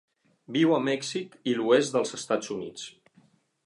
Viu a Mèxic i l'oest dels Estats Units.